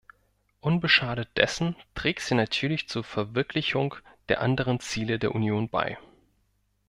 Unbeschadet dessen trägt sie natürlich zur Verwirklichung der anderen Ziele der Union bei.